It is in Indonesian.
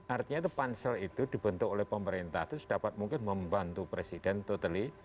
artinya itu pansel itu dibentuk oleh pemerintah itu sedapat mungkin membantu presiden totally